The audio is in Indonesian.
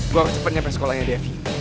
gue harus cepet nyampe sekolah nya devy